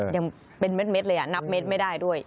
ยังเป็นเม็ดเลยนับเม็ดไม่ได้ด้วย